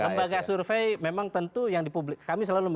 lembaga survei memang tentu yang di publik